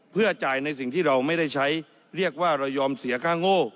เพื่อจ่ายในสิ่งที่เราไม่ได้ใช้เรียกว่าเรายอมเสียค่าโง่